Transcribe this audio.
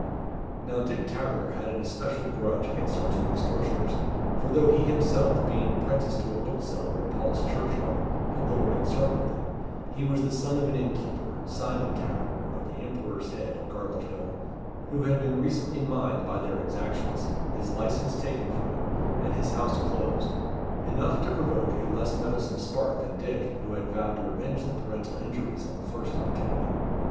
Now Dick Taverner had an especial grudge against our two extortioners, for though he himself, being 'prentice to a bookseller in Paul's Churchyard, had little concern with them, he was the son of an inn keeper Simon Taverner, of the Emperor's Head, Garlick Hill who had been recently mined by their exactions, his licence taken from him, and his house closed: enough to provoke a less mettlesome spark than Dick, who had vowed to revenge the parental injuries on the first opportunity.